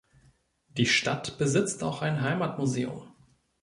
Die Stadt besitzt auch ein Heimatmuseum.